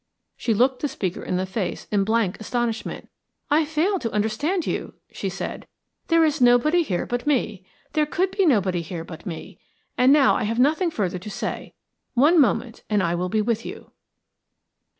She looked the speaker in the face in blank astonishment. "I fail to understand you," she said. "There is nobody here but me; there could be nobody here but me. And now I have nothing further to say. One moment and I will be with you."